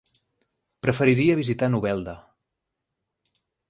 Preferiria visitar Novelda.